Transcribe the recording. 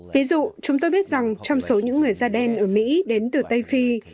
ví dụ chúng tôi biết rằng trong số những người da đen ở mỹ đến từ tây phi